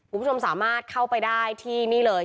คุณผู้ชมสามารถเข้าไปได้ที่นี่เลย